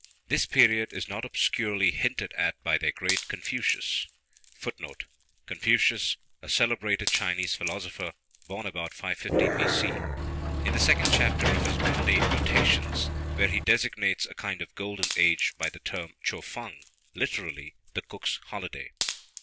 This period is not obscurely hinted at by their great Confucius [Footnote: Confucius: a celebrated Chinese philosopher, born about 550 B.C.] in the second chapter of his Mundane Mutations, where he designates a kind of golden age by the term Cho fang, literally the Cooks' holiday.